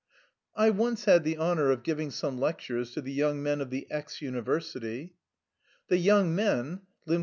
"I once had the honour of giving some lectures to the young men of the X university." "The young men!"